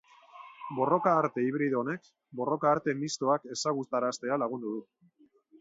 Borroka arte hibrido honek borroka arte mistoak ezagutaraztea lagundu du.